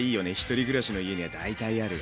１人暮らしの家には大体ある。